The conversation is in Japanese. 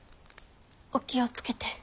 お気を付けて。